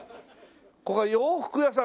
ここは洋服屋さん？